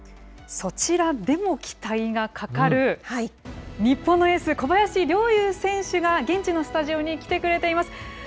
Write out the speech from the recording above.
そちらでも期待がかかる日本のエース、小林陵侑選手が現地のスタジオに来てくれています。